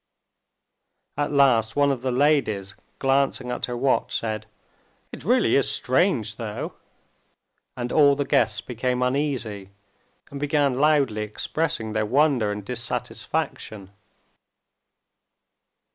At last one of the ladies, glancing at her watch, said, "It really is strange, though!" and all the guests became uneasy and began loudly expressing their wonder and dissatisfaction.